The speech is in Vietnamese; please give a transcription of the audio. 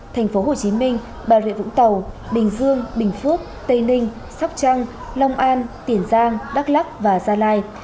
thành phố hồ chí minh bà rịa vũng tàu bình dương bình phước tây ninh sóc trăng long an tiền giang đắk lắc và gia lai